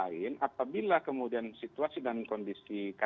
tapi di sisi yang lain apabila kemudian situasi dan kondisi katakanlah mengemaskan